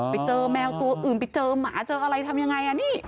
ไปเจอแมวตัวอื่นไปเจอหมาเจออะไรทำยังไงอ่ะนี่